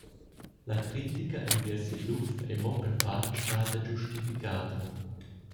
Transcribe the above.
La critica enviers il luf ei mo per part stada giustificada.